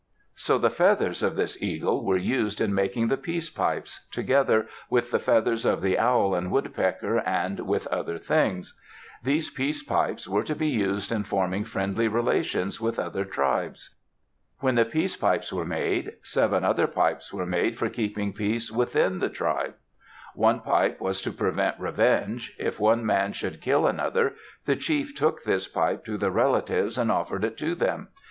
So the feathers of this eagle were used in making the peace pipes, together with the feathers of the owl and woodpecker, and with other things. These peace pipes were to be used in forming friendly relations with other tribes. When the peace pipes were made, seven other pipes were made for keeping peace within the tribe. One pipe was to prevent revenge. If one man should kill another, the chief took this pipe to the relatives and offered it to them.